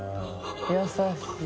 優しい。